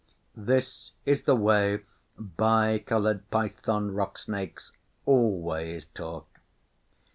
This is the way Bi Coloured Python Rock Snakes always talk.